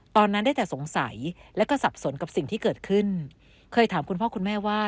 ตอนนั้นได้แต่สงสัยแล้วก็สับสนกับสิ่งที่เกิดขึ้นเคยถามคุณพ่อคุณแม่ว่า